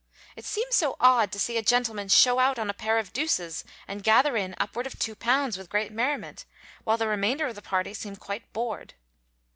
It seems so odd to see a gentleman "show out on a pair of deuces" and gather in upward of two pounds with great merriment, while the remainder of the party seem quite bored.